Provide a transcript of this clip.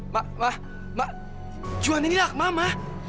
ma ma ma juan ini lah mama